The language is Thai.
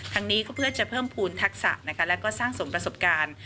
นี้ก็เพื่อจะเพิ่มภูมิทักษะนะคะแล้วก็สร้างสมประสบการณ์